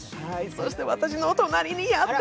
そして私の隣に、やった！